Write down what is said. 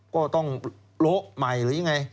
ก็ต้องโละใหม่หรือยังไง